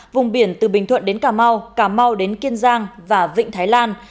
vùng biển từ bình thuận đến cà mau cà mau đến kiên giang và vịnh thái lan